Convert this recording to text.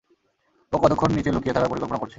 ও কতক্ষণ নিচে লুকিয়ে থাকার পরিকল্পনা করছে?